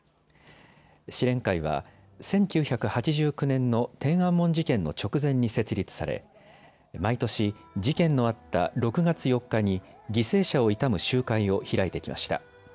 支連会は１９８９年の天安門事件の直前に設立され毎年、事件のあった６月４日に犠牲者を悼む集会を開いてきました。